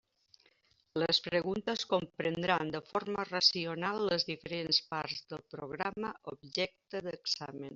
Les preguntes comprendran de forma racional les diferents parts del programa objecte d'examen.